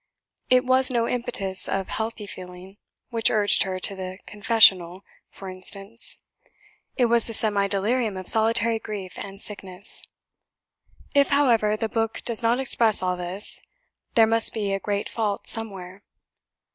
It was no impetus of healthy feeling which urged her to the confessional, for instance; it was the semi delirium of solitary grief and sickness. If, however, the book does not express all this, there must be a great fault somewhere.